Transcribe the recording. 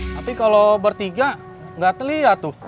tapi kalau bertiga gak terlihat tuh